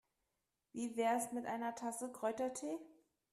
Wie wär's mit einer Tasse Kräutertee?